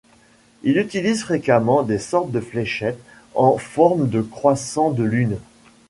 Il utilise fréquemment des sortes de fléchettes en forme de croissants de lune.